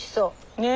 ねえ。